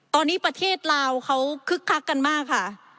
ตอนนี้ประเทศลาวเขาคึกคักกันมากค่ะ